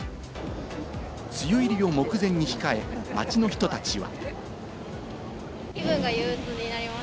梅雨入りを目前に控え、街の人たちは。